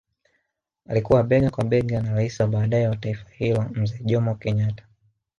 Alikuwa bega kwa bega na rais wa baadae wa taifa hilo mzee Jomo Kenyatta